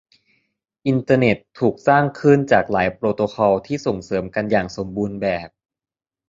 อินเตอร์เน็ตถูกสร้างขึ้นจากหลายโปรโตคอลที่ส่งเสริมกันอย่างสมบูรณ์แบบ